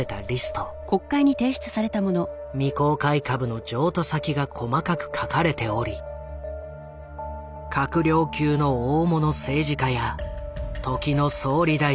未公開株の譲渡先が細かく書かれており閣僚級の大物政治家や時の総理大臣首相経験者の秘書の名前があった。